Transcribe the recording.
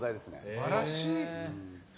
素晴らしいね。